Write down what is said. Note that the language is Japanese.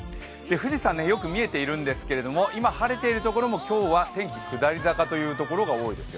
富士山、よく見えているんですけれども、今、晴れているところも今日は天気、下り坂というところが多そうです。